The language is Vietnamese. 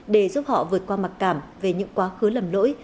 để giúp họ vượt qua mặc cảm về những quá khứ lầm lỗi